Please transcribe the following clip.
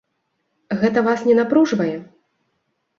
Гэта вас не напружвае?